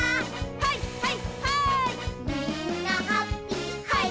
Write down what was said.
はははい！